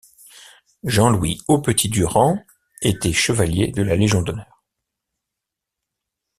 Jean Louis Aupetit-Durand était chevalier de la Légion d'honneur.